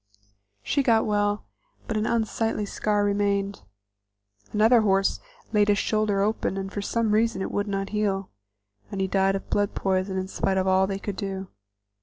She got well, but an unsightly scar remained. Another horse laid his shoulder open, and for some reason it would not heal, and he died of blood poison in spite of all they could do.